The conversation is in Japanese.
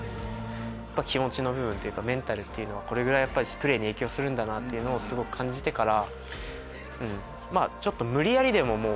気持ちの部分というかメンタルっていうのはやっぱりプレーに影響するんだなって感じてから。